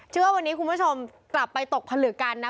ว่าวันนี้คุณผู้ชมกลับไปตกผลึกกันนะ